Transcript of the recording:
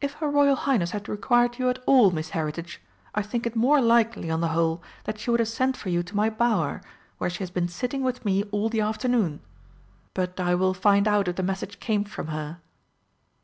"If her Royal Highness had required you at all, Miss Heritage, I think it more likely, on the whole, that she would have sent for you to my Bower, where she has been sitting with me all the afternoon. But I will find out if the message came from her."